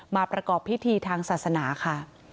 ประกอบพิธีทางศาสนาค่ะ